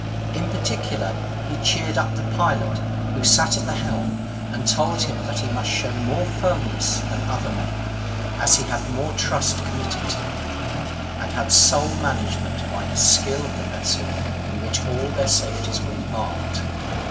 In particular, he cheered up the pilot who sat at the helm, and told him that he must show more firmness than other men, as he had more trust committed to him, and had the sole management by his skill of the vessel in which all their safeties were embarked.